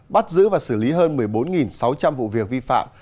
bắt giữ và xử lý hơn một mươi bốn sáu trăm linh vụ việc vi phạm